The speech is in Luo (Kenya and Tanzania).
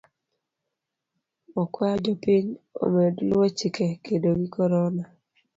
Okuayo jopiny omed luo chike kedo gi korona.